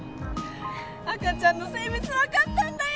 赤ちゃんの性別分かったんだよ